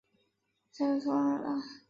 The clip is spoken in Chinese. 一切都妥当惹拉